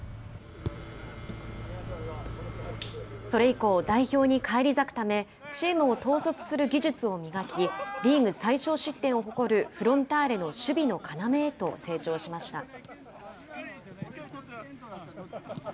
それ以降、代表に返り咲くためチームを統率する技術を磨きリーグ最少失点を誇るフロンターレの守備の要へと成長しました。